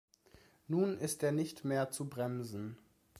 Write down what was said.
Nun ist er nicht mehr zu bremsen.